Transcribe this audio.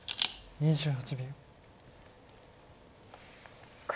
２８秒。